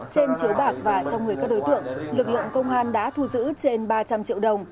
trên chiếu bạc và trong người các đối tượng lực lượng công an đã thu giữ trên ba trăm linh triệu đồng